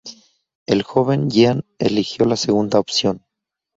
El joven Jean eligió la segunda opción.